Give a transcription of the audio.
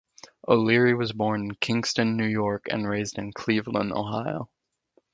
O'Leary was born in Kingston, New York, and raised in Cleveland, Ohio.